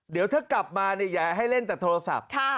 เดี๋ยวถ้ากลับมาเนี่ยอย่าให้เล่นแต่โทรศัพท์